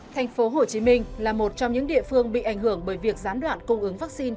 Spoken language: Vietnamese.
thành phố hồ chí minh là một trong những địa phương bị ảnh hưởng bởi việc gián đoạn cung ứng vaccine